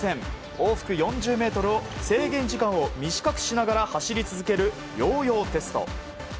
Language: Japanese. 往復４０ｍを制限時間を短くしながら走り続けるＹＯ‐ＹＯテスト。